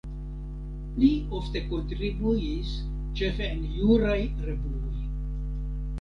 Li ofte kontribuis ĉefe en juraj revuoj.